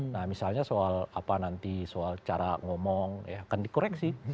nah misalnya soal apa nanti soal cara ngomong ya akan dikoreksi